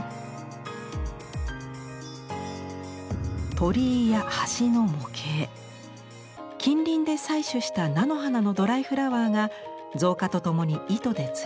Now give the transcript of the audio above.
鳥居や橋の模型近隣で採取した菜の花のドライフラワーが造花とともに糸でつるされ